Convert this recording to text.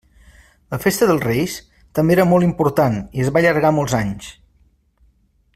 La festa dels Reis també era molt important i es va allargar molts anys.